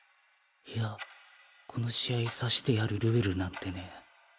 いやこの試合サシでやるルールなんてねえ。